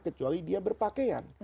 kecuali dia berpakaian